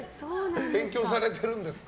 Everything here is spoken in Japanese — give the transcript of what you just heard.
勉強されてるんですか？